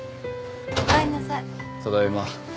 ただいま。